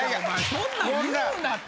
そんなん言うなって！